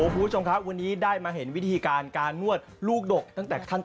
ผู้ชายได้เหรอครับสุกอ๋อลองสิเอาเลย